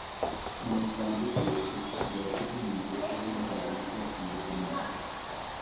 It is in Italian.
Nonostante questo, riesce comunque ad entrare nel consiglio comunale.